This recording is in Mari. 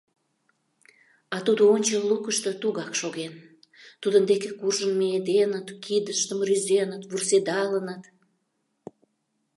А тудо ончыл лукышто тугак шоген; тудын деке куржын миеденыт, кидыштым рӱзеныт, вурседалыныт.